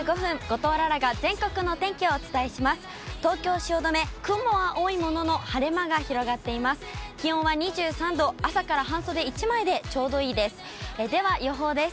東京・汐留、雲は多いものの、晴れ間が広がっています。